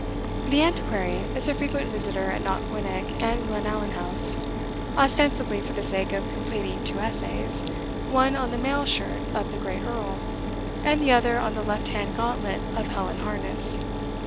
The Antiquary is a frequent visitor at Knockwinnock and Glenallan House, ostensibly for the sake of completing two essays, one on the mail shirt of the Great Earl, and the other on the left hand gauntlet of Hell in Harness.